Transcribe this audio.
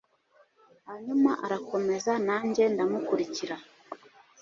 Hanyuma arakomeza nanjye ndamukurikira